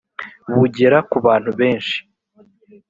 bugera ku bantu benshi